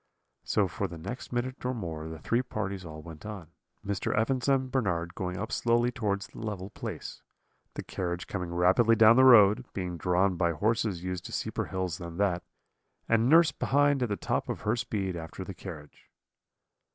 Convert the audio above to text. "So for the next minute or more the three parties all went on, Mr. Evans and Bernard going up slowly towards the level place; the carriage coming rapidly down the road, being drawn by horses used to steeper hills than that; and nurse behind at the top of her speed after the carriage.